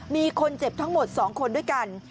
มีคนเจ็บทั้งหมด๒คนด้วยกัน